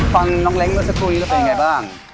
ฟังน้องเล้งก็จะคุยแล้วเป็นยังไงบ้าง